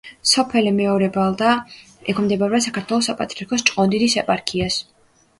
სოფელი მეორე ბალდა ექვემდებარება საქართველოს საპატრიარქოს ჭყონდიდის ეპარქიას.